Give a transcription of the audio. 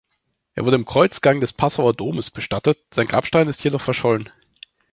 Er wurde im Kreuzgang des Passauer Domes bestattet, sein Grabstein ist jedoch verschollen.